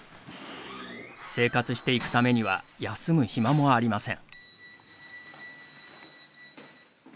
生活していくためには休む暇もありません。